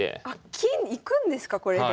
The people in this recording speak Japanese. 金いくんですかこれで！